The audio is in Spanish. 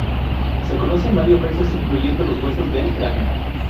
Se conocen varios restos incluyendo los huesos del cráneo.